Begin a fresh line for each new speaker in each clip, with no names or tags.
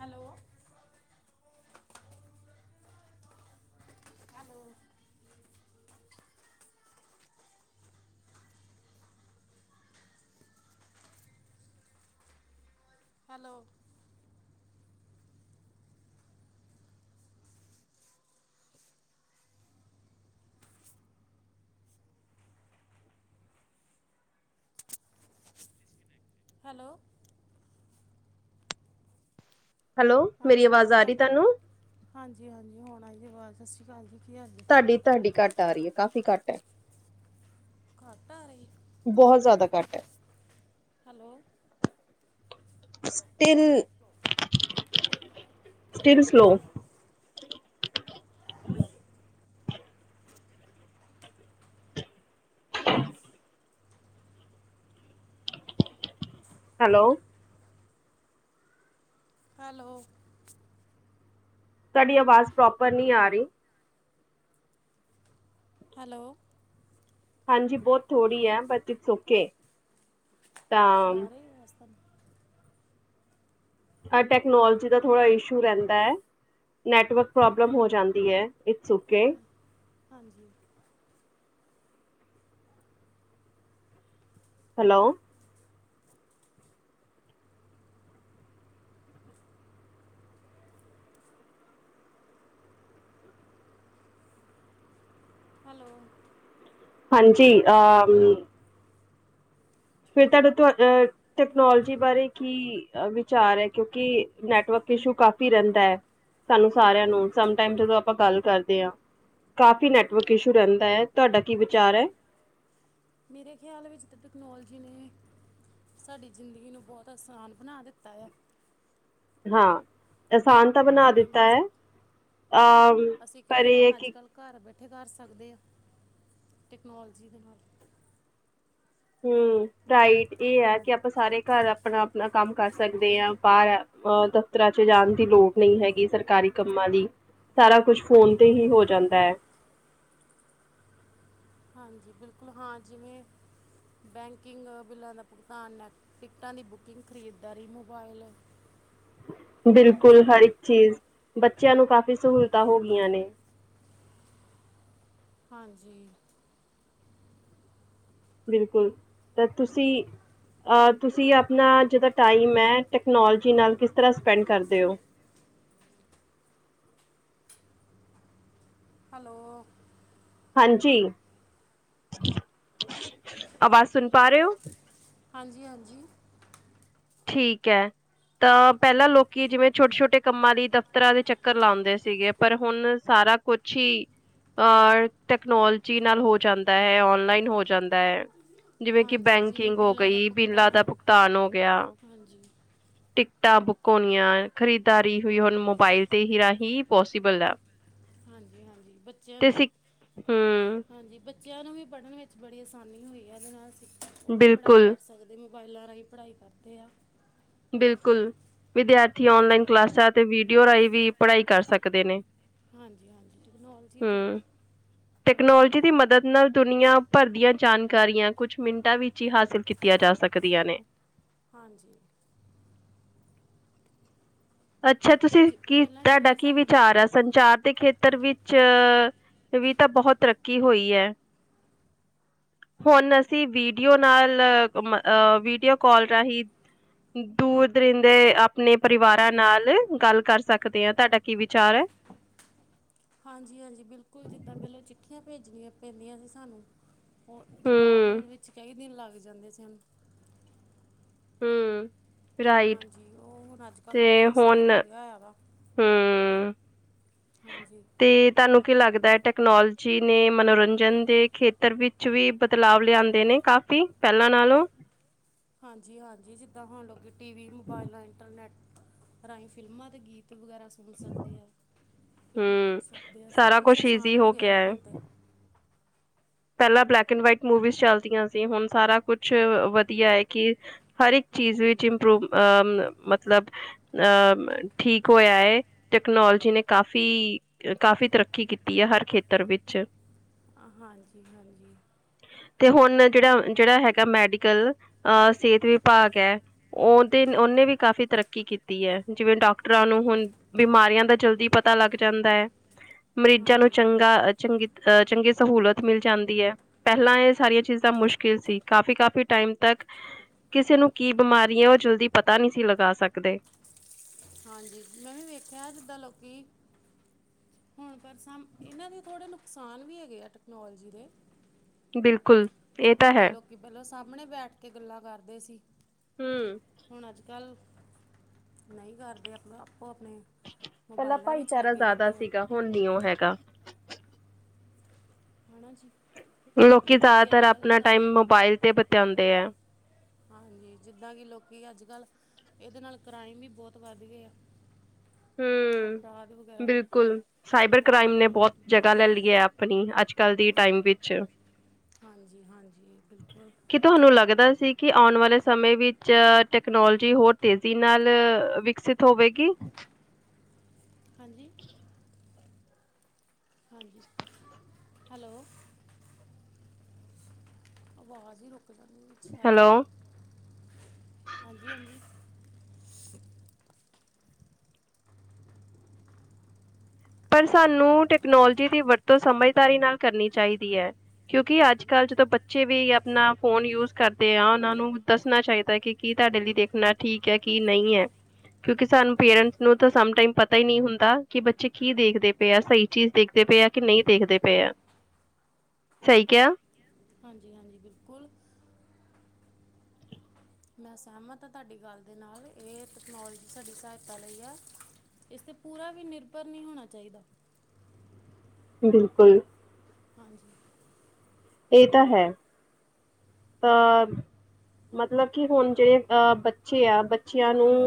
Hello hello hello hello
hello ਮੇਰੀ ਆਵਾਜ਼ ਆ ਰਹੀ ਤੁਹਾਨੂੰ।
ਹਾਂਜੀ-ਹਾਂਜੀ ਹੁਣ ਆ ਜੀ ਆਵਾਜ਼ ਸਸ ਸ੍ਰੀ ਕਾਲ ਜੀ ਕੀ ਹਾਲ ਜੇ।
ਤੁਹਾਡੀ-ਤੁਹਾਡੀ ਘੱਟ ਆ ਰਹੀ ਹੈ ਕਾਫ਼ੀ ਘੱਟ ਹੈ।
ਘਟ ਆ ਰਹੀ।
ਬਹੁਤ ਜਾਦਾ ਘੱਟ ਹੈ।
Hello
still slow. Hello
hello
ਤੁਹਾਡੀ ਆਵਾਜ਼ ਪ੍ਰੋਪਰ ਨਹੀਂ ਆ ਰਹੀ।
ਹੈਲੋ
ਹਾਂਜੀ ਬਹੁਤ ਥੋੜ੍ਹੀ ਹੈ ਬਟ ਇਟਸ ਓਕੇ। ਤਾਂ
[unintelligible]
ਹਾਂ ਟੈਕਨੋਲੋਜੀ ਦਾ ਥੋੜ੍ਹਾ ਇਸ਼ੂ ਰਹਿੰਦਾ। ਨੈਟਵਰਕ ਪ੍ਰੋਬਲਮ ਹੋ ਜਾਂਦੀ ਹੈ ਇਟਸ ਓਕੇ।
ਹਾਂ ਹਾਂਜੀ
ਹੈਲੋ
ਹੈਲੋ
ਹਾਂਜੀ ਅਹ ਫਿਰ [unintelligible] ਟੈਕਨੋਲੋਜੀ ਬਾਰੇ ਕੀ ਵਿਚਾਰ ਹੈ ਕਿਉਂਕਿ ਨੈਟਵਰਕ ਇਸ਼ੂ ਕਾਫ਼ੀ ਰਹਿੰਦਾ। ਸਾਨੂੰ ਸਾਰਿਆਂ ਨੂੰ ਸਮ ਟਾਈਮ ਜਦੋਂ ਆਪਾਂ ਗੱਲ ਕਰਦੇ ਹਾ। ਕਾਫੀ ਨੈੱਟਵਰਕ ਇਸ਼ੂ ਰਹਿੰਦਾ ਹੈ ਤੁਹਾਡਾ ਕੀ ਵਿਚਾਰ ਹੈ।
ਮੇਰੇ ਖਿਆਲ ਵਿੱਚ ਤਾਂ ਤਕਨੋਲਜੀ ਨੇ ਸਾਡੀ ਜ਼ਿੰਦਗੀ ਨੂੰ ਬਹੁਤ ਆਸਾਨ ਬਣਾ ਦਿੱਤਾ ਆ।
ਹਾਂ ਆਸਾਨ ਤਾਂ ਬਣਾ ਦਿੱਤਾ
ਹਾਂਜੀ
ਹੈ ਅਹ
ਅਸੀਂ
ਪਰ
ਕਈ
ਇਹ ਹੈ
ਕੰਮ ਅੱਜ
ਕਿ
ਕੱਲ੍ਹ ਘਰ ਬੈਠੇ ਕਰ ਸਕਦੇ ਆ ਟੈਕਨੋਲਜੀ ਦੇ ਨਾਲ।
ਹਮ ਰਾਈਟ ਇਹ ਹੈ ਕਿ
ਹਾਂਜੀ
ਆਪਾ ਸਾਰੇ ਘਰ ਆਪਣਾ-ਆਪਣਾ ਕੰਮ ਕਰ ਸਕਦੇ ਹਾਂ ਬਾਰ ਅਹ ਦਫ਼ਤਰਾਂ ਚ ਜਾਣ ਦੀ ਲੋੜ ਨਹੀਂ ਹੈਗੀ ਸਰਕਾਰੀ ਕੰਮਾਂ ਦੀ। ਸਾਰਾ ਕੁਛ ਫੋਨ ਤੇ ਹੀ ਹੋ ਜਾਂਦਾ।
ਹਾਂਜੀ ਬਿਲਕੁਲ ਹਾਂ ਜਿਵੇਂ ਬੈਂਕਿੰਗ, ਬਿੱਲਾਂ ਦਾ ਭੁਗਤਾਨ, ਨੈ ਟਿਕਟਾਂ ਦੀ ਬੁਕਿੰਗ, ਖਰੀਦਦਾਰੀ, ਮੋਬਾਈਲ
ਬਿਲਕੁਲ
ਸਭ
ਹਰ ਇੱਕ ਚੀਜ਼ ਬੱਚਿਆਂ ਨੂੰ ਕਾਫ਼ੀ ਸਹੂਲਤਾਂ ਹੋ ਗਈਆਂ ਨੇ।
ਹਾਂਜੀ
ਬਿਲਕੁਲ ਤਾ ਤੁਸੀ ਆਹ ਤੁਸੀਂ ਆਪਣਾ ਜਿੱਦਾਂ ਟਾਈਮ ਹੈ ਟੈਕਨੋਲਜੀ ਨਾਲ ਕਿਸ ਤਰ੍ਹਾਂ ਸਪੈਂਡ ਕਰਦੇ ਹੋ?
ਹੈਲੋ
ਹਾਂਜੀ, ਆਵਾਜ਼ ਸੁਣ ਪਾ ਰਹੇ ਹੋ।
ਹਾਂਜੀ-ਹਾਂਜੀ
ਠੀਕ ਹੈ। ਤਾਂ ਪਹਿਲਾਂ ਲੋਕੀ ਜਿਵੇਂ ਛੋਟੇ-ਛੋਟੇ ਕੰਮਾਂ ਲਈ ਦਫ਼ਤਰਾਂ ਦੇ ਚੱਕਰ ਲਾਦੇ ਸੀਗੇ ਪਰ ਹੁਣ ਸਾਰਾ ਕੁਛ ਹੀ ਅ ਤਕਨੋਲਜੀ ਨਾਲ ਹੋ ਜਾਂਦਾ ਹੈ, ਓਨਲਾਈਨ ਹੋ ਜਾਂਦਾ ਹੈ। ਜਿਵੇਂ ਕਿ
ਹਾਂਜੀ ਜਿਵੇਂ
ਬੈਂਕਿੰਗ ਹੋ
ਬਿੱਲਾਂ ਦਾ
ਗਈ, ਬਿੱਲਾਂ ਦਾ
ਭੁਗਤਾਨ
ਭੁਗਤਾਨ ਹੋ ਗਿਆ।
ਹਾਂਜੀ
ਟਿਕਟਾਂ ਬੁੱਕ ਹੋਣੀਆ, ਖਰੀਦਦਾਰੀ ਹੋਈ ਹੁਣ ਮੋਬਾਇਲ ਤੇ ਹੀ ਰਾਹੀਂ ਪੋਸੀਬਲ ਹੈ।
ਹਾਂਜੀ ਹਾਂਜੀ ਬੱਚਿਆਂ ਦੇ
ਹਮ
ਹਾਂਜੀ ਬੱਚਿਆਂ ਨੂੰ ਵੀ ਪੜ੍ਹਨ ਵਿੱਚ ਬੜੀ ਆਸਾਨੀ ਹੋਈ ਹੈ ਉਹਦੇ ਨਾਲ ਸਿੱਖ ਉਹ ਵੀ ਪੜ੍ਹਾਈ
ਬਿਲਕੁਲ
ਕਰ ਸਕਦੇ ਅਤੇ ਮੋਬਾਈਲਾਂ ਰਾਹੀਂ ਪੜ੍ਹਾਈ ਕਰਦੇ ਆ
ਬਿਲਕੁਲ ਵਿਦਿਆਰਥੀ
ਹਾਂਜੀ
ਔਨਲਾਈਨ ਕਲਾਸਾਂ ਅਤੇ ਵੀਡੀਓ ਰਾਹੀਂ ਵੀ ਪੜ੍ਹਾਈ ਕਰ ਸਕਦੇ ਨੇ
ਹਾਂਜੀ ਹਾਂਜੀ ਟੈਕਨੋਲਜੀ ਤਾਂ
ਹਮ
ਬਹੁਤ
ਟੈਕਨੋਲੋਜੀ
ਜ਼ਰੂਰੀ
ਦੀ
ਹੈ।
ਮਦਦ ਨਾਲ ਦੁਨੀਆਂ ਭਰ ਦੀਆਂ ਜਾਣਕਾਰੀਆਂ ਕੁਛ ਮਿੰਟਾਂ ਵਿੱਚ ਹੀ ਹਾਸਿਲ ਕੀਤੀਆਂ ਜਾ ਸਕਦੀਆਂ ਨੇ
ਹਾਂਜੀ
ਅੱਛਾ
ਫਿਰ
ਤੁਸੀਂ
ਜ-
ਕੀ
ਪਹਿਲਾਂ
ਤੁਹਾਡਾ
ਜਿਵੇਂ
ਕੀ
ਸਾਨੂੰ
ਵਿਚਾਰ ਆ ਸੰਚਾਰ ਦੇ ਖੇਤਰ ਪਤਰ ਵਿੱਚ ਵੀ ਤਾਂ ਬਹੁਤ ਤਰੱਕੀ ਹੋਈ ਹੈ ਹੁਣ ਅਸੀਂ ਵੀਡੀਓ ਨਾਲ ਵੀਡੀਓ ਕਾਲ ਰਾਹੀਂ ਦੂਰ ਦਰਿੰਦੇ ਆਪਣੇ ਪਰਿਵਾਰ ਨਾਲ ਗੱਲ ਕਰ ਸਕਦੇ ਹਾਂ ਤੁਹਾਡਾ ਕੀ ਵਿਚਾਰ ਹੈ
ਹਾਂਜੀ ਹਾਂਜੀ ਬਿਲਕੁਲ ਜਿੱਦਾਂ ਪਹਿਲੋਂ ਚਿੱਠੀਆਂ ਭੇਜਣੀਆਂ ਪੈਂਦੀਆਂ ਸੀ ਸਾਨੂੰ। ਉਹ ਜਵਾਬ
ਹੂੰ,
ਹੋਣ ਵਿੱਚ ਕਹਈ ਦਿਨ ਲੱਗ ਜਾਂਦੇ ਸ ਹਨ
ਹਮ ਰਾਈਟ
ਜੀ ਉਹ ਹੁਣ ਅੱਜ ਕੱਲ੍ਹ ਬਹੁਤ ਆਸਾਨ ਹੋ ਗਿਆ ਹੋਇਆ ਵਾ
ਹਮ
ਹਾਂਜੀ
ਤੇ ਤੁਹਾਨੂੰ ਕੀ ਲੱਗਦਾ ਹੈ ਟੈਕਨੋਲੋਜੀ ਨੇ ਮਨੋਰੰਜਨ ਦੇ ਖੇਤਰ ਵਿੱਚ ਵੀ ਬਦਲਾਵ ਲਿਆਂਂਦੇ ਨੇ ਕਾਫੀ ਪਹਿਲਾਂ ਨਾਲੋਂ
ਹਾਂਜੀ ਹਾਂਜੀ ਜਿੱਦਾਂ ਹੋਣ ਲ ਟੀ ਵੀ ਮੋਬਾਈਲਾਂ ਇੰਟਰਨੈੱਟ ਰਾਹੀਂ ਫਿਲਮਾਂ ਦੇ ਗੀਤ ਵਗੈਰਾ ਸੁਣ ਸਕਦੇ ਆ ਫਿਲਮਾਂ ਦੇਖ
ਹੂੰ
ਸਕਦੇ ਆ ਸਭ ਕੁਛ ਆਸਾਨ ਹੋ ਗਿਆ ਵਾ ਹੁਣ ਤੇ
ਪਹਿਲਾਂ ਬਲੈਕ ਐਂਡ ਵਾਈਟ ਮੂਵੀਜ਼ ਚਲਦੀਆਂ ਸੀ ਹੁਣ ਸਾਰਾ ਕੁਛ ਵਧੀਆ ਹੈ ਕਿ ਹਰ ਇੱਕ ਚੀਜ਼
ਹਾਂਜੀ
ਵਿੱਚ ਇਪਰੂਵ ਅ ਮਤਲਬ ਅ ਠੀਕ ਹੋਇਆ ਹੈ ਟੈਕਨੋਲੋਜੀ ਨੇ ਕਾਫ਼ੀ ਕਾਫ਼ੀ ਤਰੱਕੀ ਕੀਤੀ ਹੈ ਹਰ ਖੇਤਰ ਵਿੱਚ
ਹਾਂਜੀ ਹਾਂਜੀ
ਤੇ ਹੁਣ ਜਿਹੜਾ ਜਿਹੜਾ ਹੈਗਾ ਮੈਡੀਕਲ ਸਿਹਤ ਵਿਭਾਗ ਹੈ ਉਹਦੇ ਉਹਨੇ ਵੀ ਕਾਫ਼ੀ ਤਰੱਕੀ ਕੀਤੀ ਹੈ ਜਿਵੇਂ
ਹਾਂਜੀ
ਡਾਕ ਾਕਟਰਾਂ ਨੂੰ
ਹਾਂਜੀ
ਹੁਣ ਬਿਮਾਰੀਆਂ ਦਾ ਜਲਦੀ ਪਤਾ ਲੱਗ ਜਾਂਦਾ। ਮਰੀਜ਼ਾਂ ਨੂੰ
ਹਾਂਜੀ
ਚੰਗਾ ਚੰਗੀ ਅ ਚੰਗੀ ਸਹੂਲਤ ਮਿਲ ਜਾਂਦੀ ਹੈ ਪਹਿਲਾਂ ਇਹ ਸਾਰੀਆਂ ਚੀਜ਼ਾਂ ਮੁਸ਼ਕਿਲ ਸੀ ਕਾਫ਼ੀ ਕਾਫ਼ੀ ਟਾਈਮ ਤੱਕ ਕਿਸੇ ਨੂੰ ਕੀ ਬਿਮਾਰੀ ਹੈ ਉਹ ਜਲਦੀ ਪਤਾ ਨਹੀਂ ਸੀ ਲਗਾ ਸਕਦੇ
ਹਾਂਜੀ ਮੈਂ ਵੀ ਵੇਖਿਆ ਜਿੱਦਾਂ ਲੋਕੀ ਹੁਣ ਪਰ ਸਮ ਇਹਨਾਂ ਦੇ ਥੋੜ੍ਹੇ ਨੁਕਸਾਨ ਵੀ ਹੈਗੇ ਆ ਟੈਕਨੋਲੋਜੀ ਦੇ
ਬਿਲਕੁਲ ਇਹ ਤਾਂ ਹੈ
ਕਿ ਪਹਿਲਾਂ ਸਾਹਮਣੇ ਬੈਠ ਕੇ ਗੱਲਾਂ ਕਰਦੇ ਸੀ
ਹਮ
ਹੁਣ ਅੱਜ ਕੱਲ੍ਹ ਨਹੀਂ ਕਰਦੇ ਆਪਣਾ ਆਪੋ ਆਪਣੇ
ਪਹਿਲਾਂ
ਮੋਬਾਇਲਾਂ ਵਿੱਚ
ਭਾਈਚਾਰਾ
ਲੱਗੇ
ਜ਼ਿਆਦਾ
ਰਹਿੰਦੇ ਆ
ਸੀਗਾ ਹੁਣ ਨੀ ਉਹ ਹੈਗਾ।
ਹ ਨਾ ਜੀ
ਲੋਕੀ
ਜਿੱਦਾਂ ਕਿ
ਜ਼ਿਆਦਾਤਰ
ਅੱਜ ਕੱਲ
ਆਪਣਾ ਟਾਈਮ
ਕ੍ਰਾਈਮ
ਮੋਬਾਇਲ ਤੇ ਬਤਿਉਂਦੇ ਹੈ।
ਹਾਂਜੀ ਜਿੱਦਾਂ ਕਿ ਲੋਕੀ ਅੱਜ ਕੱਲ੍ਹ ਇਹਦੇ ਨਾਲ ਕ੍ਰਾਈਮ ਵੀ ਬਹੁਤ ਵੱਧ ਗਏ ਆ ਅਪਰਾਧ
ਹਮ
ਵਗੈਰਾ
ਬਿਲਕੁਲ ਸਾਈਬਰ
ਬਹੁਤ
ਕ੍ਰਾਈਮ
ਹੋ
ਨੇ
ਰਹੇ ਹਨ
ਬਹੁਤ ਜਗ੍ਹਾ ਲੈ ਲਈ ਹੈ ਆਪਣੀ ਅੱਜ ਕੱਲ ਦੀ ਟਾਈਮ
ਹਾਂਜੀ
ਵਿੱਚ
ਹਾਂਜੀ ਹਾਂਜੀ ਬਿਲਕੁਲ
ਕਿ ਤੁਹਾਨੂੰ ਲੱਗਦਾ ਸੀ ਕਿ ਆਉਣ ਵਾਲੇ ਸਮੇਂ ਵਿੱਚ ਟੈਕਨੋਲਜੀ ਹੋਰ ਤੇਜ਼ੀ ਨਾਲ ਵਿਕਸਿਤ ਥੋਵੇਗੀ
ਹਾਂਜੀ ਹਾਂਜੀ ਹੈਲੋ ਆਵਾਜ਼ ਹੀ ਰੋਕ ਹੈਲੋ ਹਾਂਜੀ ਹਾਂਜੀ
ਪਰ ਸਾਨੂੰ ਟੈਕਨੋਲੋਜੀ ਦੀ ਵਰਤੋਂ ਸਮਝਦਾਰੀ ਨਾਲ ਕਰਨੀ ਚਾਹੀਦੀ ਐ। ਕਿਉਂਕਿ
ਹਾਂਜੀ
ਅੱਜਕਲ੍ਹ ਜਦੋਂ ਬੱਚੇ ਵੀ ਆਪਣਾ ਫੋਨ ਯੂਜ ਕਰਦੇ ਆ ਉਹਨਾਂ ਨੂੰ ਦੱਸਣਾ ਚਾਈਦਾ ਕਿ ਕੀ ਤੁਹਾਡੇ ਲਈ ਦੇਖਣਾ ਠੀਕ ਐ ਕੀ ਨਹੀਂ ਐ। ਕਿਉਂਕਿ ਸਾਨੂੰ ਪੇਰੈਂਟਸ ਨੂੰ ਤਾਂ ਸਮ ਟਾਈਮ ਪਤਾ ਈ ਨੀ ਹੁੰਦਾ ਕਿ ਬੱਚੇ ਕੀ ਦੇਖਦੇ ਪਏ ਆ ਸਹੀ ਚੀਜ਼ ਦੇਖਦੇ ਪਏ ਆ ਕਿ ਨਈ ਦੇਖਦੇ ਪਏ ਆ ਸਈ ਕਿਆ
ਹਾਂਜੀ-ਹਾਂਜੀ ਬਿਲਕੁਲ। ਮੈਂ ਸਹਿਮਤ ਆ ਤੁਆਡੀ ਗੱਲ ਦੇ ਨਾਲ ਏ ਤਕਨੋਲੋਜੀ ਸਾਡੀ ਸਹਾਇਤਾ ਲਈ ਆ। ਏਸ ਤੇ ਪੂਰਾ ਵੀ ਨਿਰਭਰ ਨਈ ਹੋਣਾ ਚਾਈਦਾ।
ਬਿਲਕੁਲ।
ਹਾਂਜੀ।
ਏ ਤਾਂ ਹੈ ਤਾਂ ਮਤਲਬ ਕਿ ਹੁਣ ਜੇੜੇ ਅਹ ਬੱਚੇ ਆ ਬੱਚਿਆਂ ਨੂੰ
ਹੈਲੋ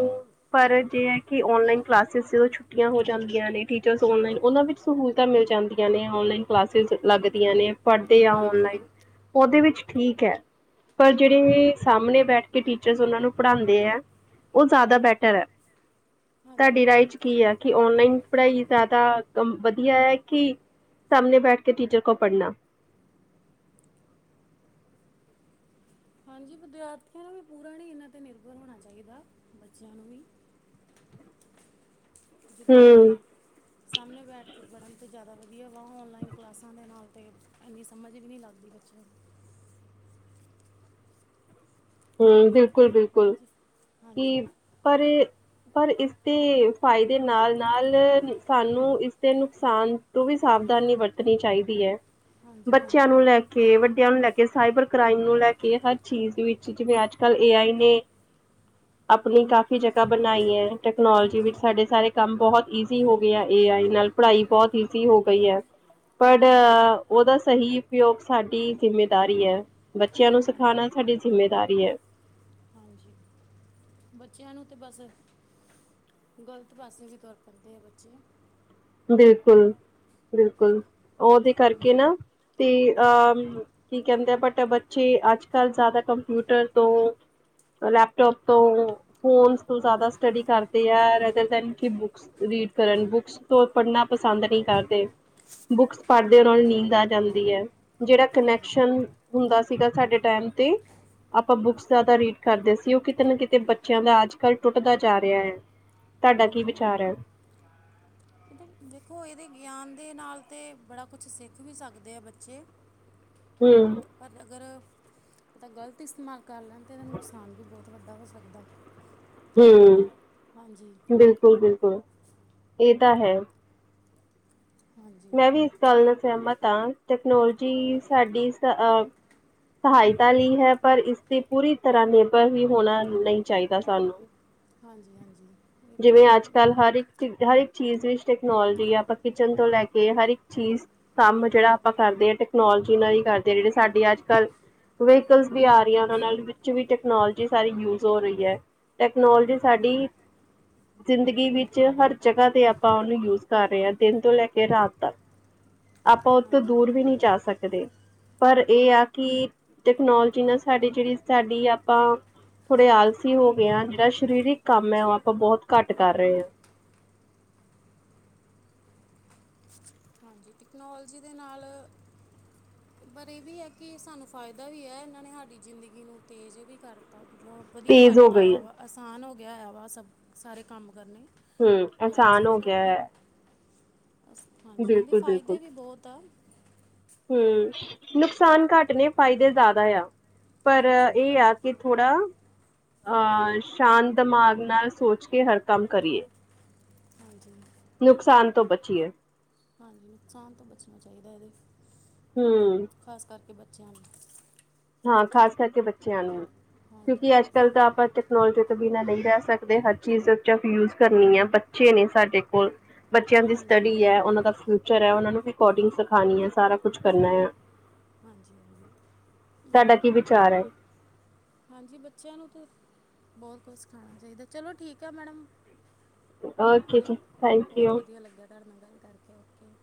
ਪਰ ਜੇ ਹੈ ਕਿ ਓਨਲਾਈਨ ਕਲਾਸ ਚ ਛੁੱਟੀਆ ਹੋ ਜਾਂਦੀਆਂ ਨੇ ਟੀਚਰਸ ਔਨਲਾਈਨ ਓਨਾਂ ਵਿੱਚ ਸਹੂਲਤਾਂ ਮਿਲ ਜਾਂਦੀਆਂ ਨੇ। ਔਨਲਾਈਨ ਕਲਾਸਿਜ ਲੱਗਦੀਆਂ ਨੇ ਪੜ੍ਹਦੇ ਆ।
ਹਾਂਜੀ
ਉਦੇ ਵਿੱਚ ਠੀਕ ਐ। ਪਰ ਜੇੜੇ ਸਾਹਮਣੇ ਬੈਠ ਕੇ ਟੀਚਰਸ ਉਹਨਾ ਨੂੰ ਪੜ੍ਹਾਦੇ ਆ। ਓ ਜ਼ਿਆਦਾ ਬੈਟਰ ਐ
ਹਾਂਜੀ
ਤੁਆਡੀ
ਉਹ
ਰਾਏ ਚ
ਗੱਲ
ਕੀ ਐ। ਕਿ ਔਨਲਾਈਨ ਪੜ੍ਹਾਈ ਜ਼ਿਆਦਾ ਵਧੀਆ ਐ ਕਿ ਸਾਹਮਣੇ ਬੈਠ ਕੇ ਟੀਚਰ ਕੋਲ ਪੜ੍ਹਨਾ।
ਹਾਂਜੀ ਵਿਦਿਆਰਥੀਆਂ ਨੂੰ ਪੂਰਾ ਨਈ ਏਨਾ ਤੇ ਨਿਰਭਰ ਹੋਣਾ ਚਾਈਦਾ ਬੱਚਿਆਂ ਨੂੰ ਵੀ ਜਿੱਦਾਂ ਕਿ
ਹਮ
ਸਾਹਮਣੇ ਬੈਠ ਕੇ ਪੜ੍ਹਨ ਤੇ ਜ਼ਿਆਦਾ ਵਧੀਆ ਵਾ ਓਨਲਾਈਨ ਕਲਾਸਾਂ ਦੇ ਨਾਲ ਤੇ ਐਨੀ ਸਮਝ ਵੀ ਨੀ ਲੱਗਦੀ ਬੱਚ ਚਲ
ਹੂੰ,
ਹੈ
ਬਿਲਕੁਲ-ਬਿਲਕੁਲ
ਨਾ ਜੀ ਹਾਂਜੀ
ਕਿ ਪਰ ਇ ਪਰ ਇਸਦੇ ਫਾਇਦੇ ਨਾਲ-ਨਾਲ ਸਾਨੂੰ ਇਸਦੇ ਨੁਕਸਾਨ ਤੋ ਵੀ ਸਾਵਧਾਨੀ ਵਰਤਣੀ ਚਾਈਦੀ ਐ।
ਹਾਂਜੀ
ਬੱਚਿਆਂ ਨੂੰ
ਹਾਂਜੀ
ਲੈ ਕੇ ਵੱਡਿਆਂ ਨੂੰ ਲੈ ਕੇ ਸਾਈਬਰ ਕ੍ਰਾਈਮ ਨੂੰ ਲੈ ਕੇ ਹਰ ਚੀਜ਼ ਵਿੱਚ ਜਿਵੇਂ ਅੱਜ-ਕੱਲ੍ਹ ਏ ਆਈ ਨੇ ਆਪਣੀ ਕਾਫ਼ੀ ਜਗ੍ਹਾ ਬਣਾਈ ਐ। ਟੈਕਨੋਲੋਜੀ
ਹਾਂਜੀ
ਵਿੱਚ
ਹਾਂਜੀ
ਸਾਡੇ ਸਾਰੇ
ਬਿਲਕੁਲ
ਕੰਮ ਬਹੁਤ ਈਜ਼ੀ ਹੋਗੇ ਆ ਏ ਆਈ ਨਾਲ ਪੜ੍ਹਾਈ ਬਹੁਤ ਈਜ਼ੀ ਹੋ ਗਈ ਐ ਪਰ
ਹਾਂਜੀ
ਉਹਦਾ ਸਹੀ ਉਪਯੋਗ ਸਾਡੀ ਜਿੰਮੇਦਾਰੀ ਐ ਬੱਚਿਆਂ ਨੂੰ
ਹਾਂਜੀ
ਸਿਖਾਣਾ ਸਾਡੀ ਜ਼ਿੰਮੇਦਾਰੀ ਐ
ਹਾਂਜੀ, ਬੱਚਿਆਂ ਨੂੰ ਤਾਂ ਬਸ ਗ਼ਲਤ ਪਾਸੇ ਵੀ ਤੁਰ ਪੈਂਦੇ ਆ। ਬੱਚੇ
ਬਿਲਕੁਲ-ਬਿਲਕੁਲ ਉਹਦੇ ਕਰਕੇ
ਹਾਂਜੀ
ਨਾ ਤੇ ਅਹ ਕੀ ਕਹਿੰਦੇ ਆ। ਬਟ ਬੱਚੇ ਅੱਜਕੱਲ੍ਹ ਜ਼ਿਆਦਾ ਕੰਪਿਊਟਰ ਤੋਂ ਲੈਪਟੋਪ ਤੋਂ ਫੋਨ ਤੋਂ ਜ਼ਿਆਦਾ ਸਟੱਡੀ ਕਰਦੇ ਆ, ਰ ਬੁੱਕਸ ਰੀਡ ਕਰਨ ਬੁੱਕਸ ਪੜ੍ਹਨਾ ਪਸੰਦ ਨੀ ਕਰਦੇ। ਬੁੱਕਸ ਪੜ੍ਹਦੇ ਉਹਨਾ ਨੂੰ ਨੀਂਦ ਆ ਜਾਂਦੀ ਐ। ਜੇੜਾ
ਹਾਂਜੀ
ਕਨੈਕਸ਼ਨ ਹੁੰਦਾ ਸੀਗਾ। ਸਾਡੇ ਟਾਈਮ ਤੇ ਆਪਾਂ ਬੁੱਕਸ ਜ਼ਿਆਦਾ ਰੀਡ ਕਰਦੇ ਸੀ। ਉਹ ਕਿਤੇ ਨਾ ਕਿਤੇ ਬੱਚਿਆਂ ਦਾ ਅੱਜਕਲ੍ਹ ਟੁੱਟਦਾ ਜਾ ਰਿਆ ਐ।
ਹਾਂਜੀ-ਹਾਂਜੀ। ਦੇਖੋ ਏਦੇ ਗਿਆਨ ਦੇ ਨਾਲ ਤੇ ਬੜਾ ਕੁਛ ਸਿੱਖ ਵੀ ਸਕਦੇ ਆ ਬੱਚੇ [unintelligible]
ਹੂੰ।
ਪਰ ਅਗਰ ਏਹਦਾ ਗ਼ਲਤ ਇਸਤੇਮਾਲ ਕਰ ਲੈਣ ਤਾਂ ਏਦਾ ਨੁਕਸਾਨ ਵੀ ਬਹੁਤ ਵੱਡਾ ਹੋ ਸਕਦਾ। ਹਾਂਜੀ
ਹੂੰ ਬਿਲਕੁਲ-ਬਿਲਕੁਲ ਏ ਤਾਂ ਹੈ।
ਹਾਂਜੀ
ਮੈਂ ਵੀ ਏਸ ਗੱਲ ਨਾ ਸਹਿਮਤ ਆ, ਟੈਕਨੋਲੋਜੀ ਸਾਡੀ ਅ ਅਹ ਸਹਾਇਤਾ ਲਈ ਹੈ। ਪਰ ਇਸਤੇ ਪੂਰੀ ਤਰ੍ਹਾਂ ਨਿਰਭਰ ਵੀ ਹੋਣਾ ਨਈ ਚਾਈਦਾ ਸਾਨੂੰ
ਹਾਂਜੀ-ਹਾਂਜੀ ਤੇ
ਜਿਵੇਂ ਅੱਜ [unintelligible] ਹਰ ਇੱਕ ਚੀਜ਼ ਵਿੱਚ ਟੈਕਨੋਲਜੀ ਆ ਆਪਾਂ ਕਿਚਨ ਤੋ ਲੈਕੇ ਕੇ ਹਰ ਇੱਕ ਚੀਜ਼ ਕਾੰਬ ਜੇੜਾ ਆਪਾਂ ਕਰਦੇ ਆਂ ਟੈਕਨੋਲਜੀ ਨਾਲ ਈ ਕਾਰਦੇ ਜੇੜੇ ਸਾਡੇ ਆੱਜ-ਕਾੱਲ ਵੀਕਲ ਵੀ ਆਰੀਆਂ‌ ਓਨਾ‌ ਵਿੱਚ ਵੀ ਟੈਕਨੋਲਜੀ ਸਾਰੀ ਯੂਜ ਹੋਰੀ ਐ। ਟੈਕਨੋਲਜੀ ਸਾਡੀ ਜ਼ਿੰਦਗੀ ਵਿੱਚ ਹਰ ਜਗਾ ਤੇ ਆਪਾ‌ ਓਨੂੰ ਯੂਜ ਕਾਰ ਰੇਆਂ ਦੇਨ ਤੋ ਲੈ ਕੇ ਰਾਤ ਤੱਕ, ਆਪਾਂ ਓਥੋਂ
ਹਾਂਜੀ
ਦੂਰ ਵੀ ਨੀ ਜਾ ਸਕਦੇ। ਪਰ ਏਆ ਕਿ ਟਕਨੋਲਜੀ ਨਾਲ ਸਾਡੀ ਜੇੜੀ ਸਾਡੀ ਆਪਾਂ ਥੋੜੇ ਆਲਸੀ ਹੋਗੇਆ ਜੇੜਾ ਸ਼ਰੀਰਿਕ ਕਾੰਮ ਐ ਓ
ਹਾਂਜੀ
ਆਪਾ ਬੋਤ ਘਾੱਟ ਕਾਰ ਰੇਆਂ।
ਹਾਂਜੀ, ਟੈਕਨੋਲਜੀ ਦੇ ਨਾਲ ਪਰ ਏਵੀ ਐ ਕਿ ਸਾਨੂੰ ਫਾਏਦਾ ਵੀ ਐ ਏਨਾ ਨੇ ਹਾਡੀ ਜ਼ਿੰਦਗੀ ਨੂੰ ਤੇਜ਼ ਵੀ ਕਰਤਾ ਮਤਲਬ ਵਦੀਆ
ਤੇਜ਼ ਹੋ
ਕਾਰਤਾ
ਗਈ ਹੈ
ਆਯਾਵਾ ਆਸਾਨ ਹੋਗੇਆ ਆਯਾਵਾ ਸਭ ਸਾਰੇ ਕਾੰਮ ਕਰਨੇ
ਹਮ ਆਸਾਨ
ਨੋਲਜੀ ਦੇ
ਹੋ ਗਿਆ
ਨਾਲ
ਹੈ।
ਅਸ ਹਾਂਜੀ, ਏਦੇ
ਬਿਲਕੁਲ
ਫਾਏਦੇ ਵੀ ਬੋਤ ਆ।
ਹੂੰ, ‌ਨੁਕਸਾਨ ਘਾੱਟ ਨੇ ਫਾਈਦੇ ਜਾਦਾ ਆ, ਪਰ
ਹਾਂਜੀ
ਏ ਆ ਕਿ ਥੋੜਾ ਅ ਸ਼ਾਂਤ ਦਮਾਗ ਨਾਲ ਸੋਚ ਕੇ ਹਰ ਕਾੰਮ ਕਰੀਏ।
ਹਾਂਜੀ।
ਨੁਕਸਾਨ ਤੋ ਬਚੀਏ।
ਹਾਂਜੀ, ਨੁਕਸਾਨ ਤੋ ਬਚਨਾ ਚਾਈਦਾ ਏਦੇ
ਹੂੰ।
ਖ਼ਾਸ ਕਰਕੇ ਬੱਚੇਆਂ ਨੂੰ
ਹਾਂ ਖਾਸ ਕਰਕੇ ਬੱਚੇਆਂ ਨੂੰ, ਕਯੁਂਕਿ
ਹਾਂਜੀ
ਆੱਜ-ਕਾੱਲ ਤਾ ਆਪਾ ਟੈਕਨੋਲਜੀ ਤੋ‌ ਬਿਨਾਂ ਨਈ ਰੈ ਸਕਦੇ ਹਰ ਚੀਜ਼ ਵਿੱਚ ਯੂਜ ਕਰਨੀ ਐ ਬੱਚੇ ਨੇ ਸਾਡੇ ਕੋਲ ਬੱਚੇਆਂ ਦੀ
ਹਾਂਜੀ
ਸਟਡੀ ਐ, ਓਨਾਂ ਦਾ ਫਯੁਚਰ ਐ, ਓਨਾਂ ਨੂੰ ਕੋਡਿੰਗ ਸਖਾਨੀ ਐ, ਸਾਰਾ ਕੁਛ ਕਰਨਾ ਆ।
ਹਾਂਜੀ, ‌ ਹਾਂਜੀ।
ਸਾਡਾ
ਬਾਕੀ
ਕੀ ਵਿਚਾਰ ਐ।
ਹਾਂਜੀ, ਬੱਚੇਆਂ ਨੂੰ ਤੇ ਬੋਤ ਕੋਛ ਸਿਖਾਣਾ ਚਾਈਦਾ ਚਲੋ ਠੀਕ ਐ ਮੈਡਮ ਓਕੇ,
ਜੀ ਥੈਂਕ
ਬੋਤ
ਯੂ
ਵਦੀਆ ਲੱਗੇਆ ਤਾਡੇ ਨਾਲ ਗਾੱਲ ਕਾਰਕੇ ਓਕੇ।